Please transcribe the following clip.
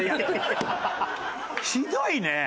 ひどいね。